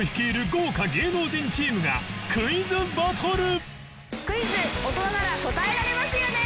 豪華芸能人チームがクイズバトル！